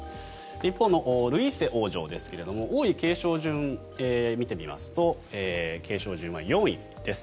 一方のルイーセ王女ですが王位継承順を見てみますと継承順は４位です。